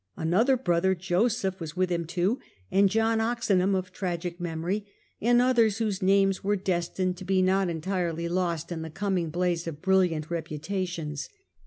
Another brother, Joseph, was with him too, and John Oxenham of tragic memory, and others whose names were destined . to be not entirely lost in the coming blaze of brilliant reputations.